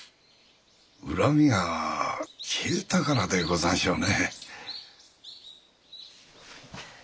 恨みが消えたからでござんしょうね。